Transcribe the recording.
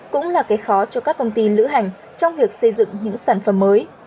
cũng là cái khó cho các công ty lữ hành trong việc xây dựng những sản phẩm mới